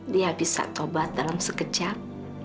dia bisa tobat dalam sekejap